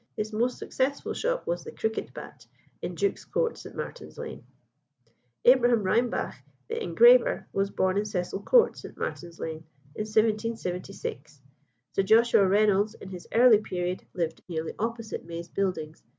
His most successful shop was "The Cricket Bat," in Duke's Court, St. Martin's Lane. Abraham Raimbach, the engraver, was born in Cecil Court, St. Martin's Lane, in 1776. Sir Joshua Reynolds, in his early period, lived nearly opposite May's Buildings.